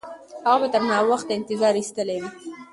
هغه به تر ناوخته انتظار ایستلی وي.